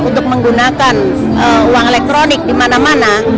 untuk menggunakan uang elektronik di mana mana